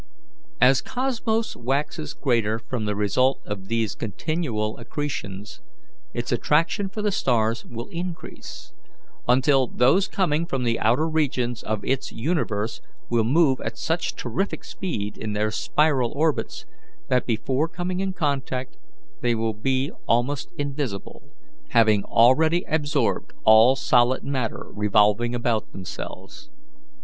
As Cosmos waxes greater from the result of these continual accretions, its attraction for the stars will increase, until those coming from the outer regions of its universe will move at such terrific speed in their spiral orbits that before coming in contact they will be almost invisible, having already absorbed all solid matter revolving about themselves.